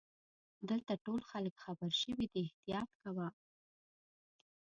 دلته ټول خلګ خبرشوي دي احتیاط کوه.